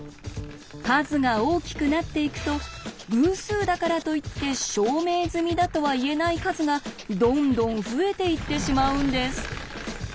数が大きくなっていくと偶数だからといって証明済みだとは言えない数がどんどん増えていってしまうんです。